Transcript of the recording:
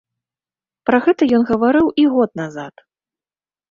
Пра гэта ён гаварыў і год назад.